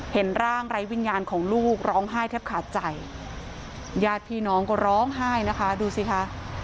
เห็นร่างไร้วิญญาณของลูกร้องไห้แทบขาดใจญาติพี่น้องก็ร้องไห้นะคะดูสิคะ